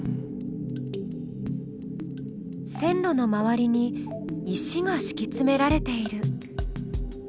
線路の周りに石がしきつめられている。